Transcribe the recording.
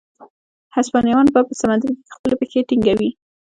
هسپانویان به په سمندرګي کې خپلې پښې ټینګوي.